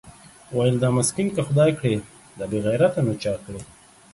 ويل دا مسکين که خداى کړې دا بېغيرته نو چا کړې؟